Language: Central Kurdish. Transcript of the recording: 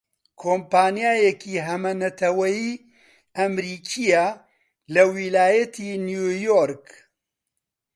کۆمپانیایەکی هەمەنەتەوەیی ئەمریکییە لە ویلایەتی نیویۆرک